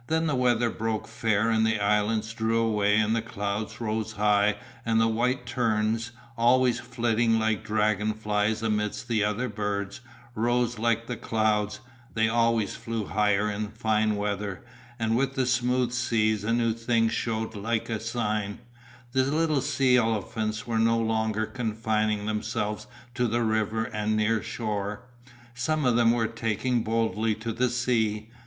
Then the weather broke fair and the islands drew away and the clouds rose high and the white terns, always flitting like dragon flies amidst the other birds, rose like the clouds, they always flew higher in fine weather, and with the smooth seas a new thing shewed like a sign: the little sea elephants were no longer confining themselves to the river and near shore. Some of them were taking boldly to the sea.